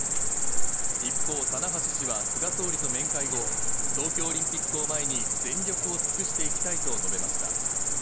一方、棚橋氏は菅総理と面会後、東京オリンピックを前に、全力を尽くしていきたいと述べました。